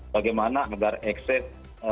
bagaimana agar ekses